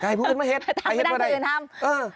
กะหัยผู้อื่นผมเฮดข่าวอีกเลยค่ะ